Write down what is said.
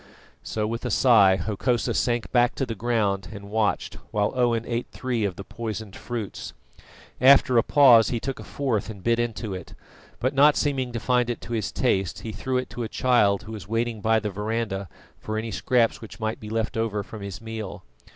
So with a sigh Hokosa sank back to the ground and watched while Owen ate three of the poisoned fruits. After a pause, he took a fourth and bit into it, but not seeming to find it to his taste, he threw it to a child that was waiting by the verandah for any scraps which might be left over from his meal.